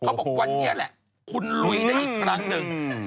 บอกวันนี้แหละคุณลุยได้อีกครั้งหนึ่ง